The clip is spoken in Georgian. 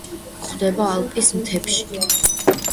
გვხვდება ალპის მთებში.